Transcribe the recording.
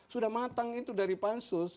sudah matang itu dari pansus